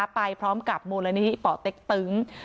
ไปพร้อมกับโมลณีปเต๊กตึ๊ง